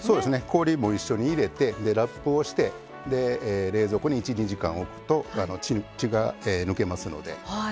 氷も一緒に入れてラップをして冷蔵庫に１２時間おくと血が抜けますので。